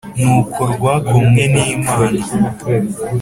Nuko rwakomwe n`Imana